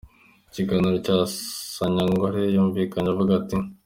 Ikiganiro cya Sanyangore yumvikanye avuga ati:.